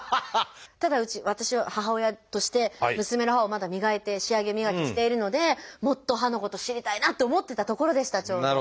ただ私は母親として娘の歯をまだ磨いて仕上げ磨きしているのでもっと歯のこと知りたいなって思ってたところでしたちょうど。